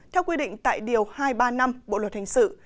theo quy định tại điều hai trăm ba mươi năm bộ luật hình sự